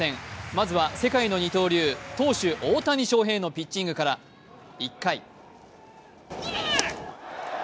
まずは世界の二刀流、投手・大谷翔平のピッチングから１回。